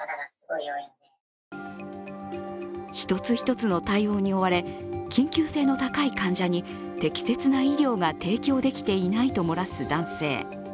１つ１つの対応に追われ、緊急性の高い患者に適切な医療が提供できていないと漏らす男性。